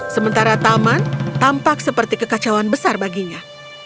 sementara taman tampak seperti kekacauan besar baginya